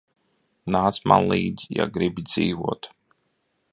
Nāc man līdzi, ja gribi dzīvot.